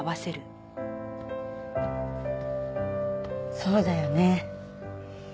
そうだよね。